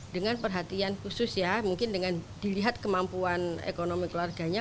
dengan perhatian khusus ya mungkin dengan dilihat kemampuan ekonomi keluarganya